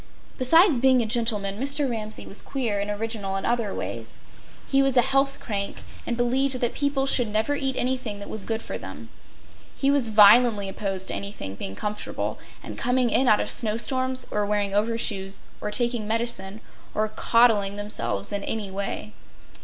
Besides being a gentleman, Mr. Ramsay was queer and original in other ways. He was a health crank, and believed that people should never eat anything that was good for them. He was violently opposed to anybody being comfortable, and coming in out of snow storms, or wearing overshoes, or taking medicine, or coddling themselves in any way.